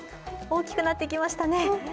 大きくなってきましたね。